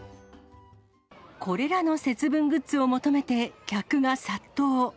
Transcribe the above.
これらの節分グッズを求めて、客が殺到。